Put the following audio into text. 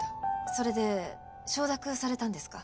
それで承諾されたんですか？